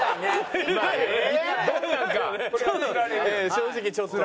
正直ちょっと。